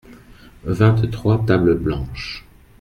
Vingt-trois tables blanches.